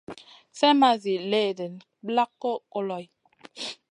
Slèh ma zi léhdéna plak goy koloy.